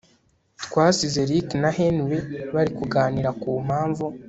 Twasize Rick na Henry bari kuganira kumpamvu